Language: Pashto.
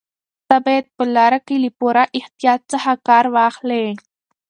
ته باید په لاره کې له پوره احتیاط څخه کار واخلې.